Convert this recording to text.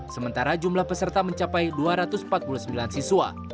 sementara jumlah peserta mencapai dua ratus empat puluh sembilan siswa